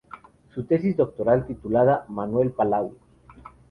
Su tesis doctoral titulada: "Manuel Palau.